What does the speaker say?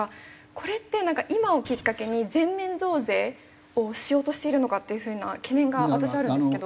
これって今をきっかけに全面増税をしようとしているのかっていう風な懸念が私あるんですけど。